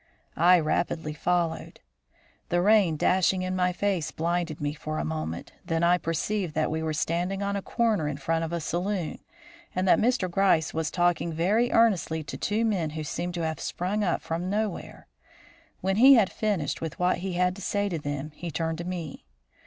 I rapidly followed him. The rain dashing in my face blinded me for a moment; then I perceived that we were standing on a corner in front of a saloon, and that Mr. Gryce was talking very earnestly to two men who seemed to have sprung up from nowhere. When he had finished with what he had to say to them, he turned to me.